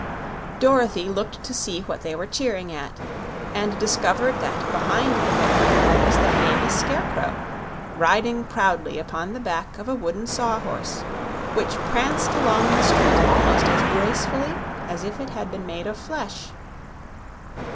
Dorothy looked to see what they were cheering at, and discovered that behind the band was the famous Scarecrow, riding proudly upon the back of a wooden Saw Horse which pranced along the street almost as gracefully as if it had been made of flesh.